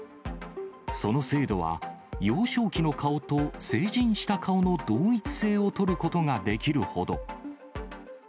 その精度は、幼少期の顔と成人した顔の同一性をとることができるほど。